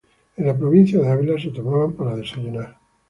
En la provincia de Ávila se tomaban para desayunar.